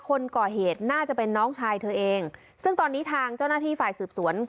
คนก่อเหตุน่าจะเป็นน้องชายเธอเองซึ่งตอนนี้ทางเจ้าหน้าที่ฝ่ายสืบสวน